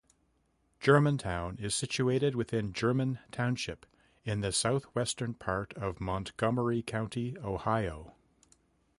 Germantown is situated within German Township, in the south-western part of Montgomery County, Ohio.